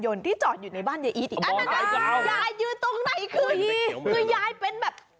ถึงที่จอดอยู่ในบ้านยายอีทอ่ะอ่ะมันหมายถึงยายยืนตรงไหนคือยายเป็นแบบ